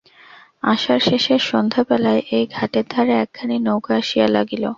আষাঢ়শেষের সন্ধ্যাবেলায় এই ঘাটের ধারে একখানি নৌকা আসিয়া লাগিল।